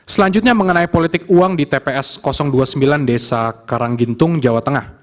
selanjutnya mengenai politik uang di tps dua puluh sembilan desa karanggintung jawa tengah